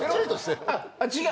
「違う？